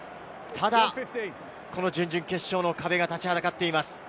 ただ、この準々決勝の壁が立ちはだかっています。